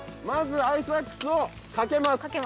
まずアイスアックスをかけます。